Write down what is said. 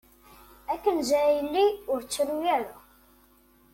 A Kenza a yelli ur ttru-ara.